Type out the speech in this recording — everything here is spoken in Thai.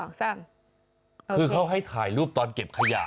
คือเขาให้ถ่ายรูปตอนเก็บขยะ